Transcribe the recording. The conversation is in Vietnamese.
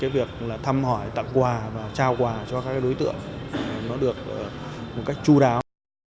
việc thăm hỏi tặng quà và trao quà cho các đối tượng được một cách chú đáo